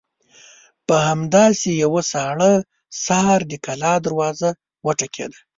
په همداسې يوه ساړه سهار د کلا دروازه وټکېده.